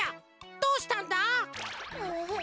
どうしたんだ。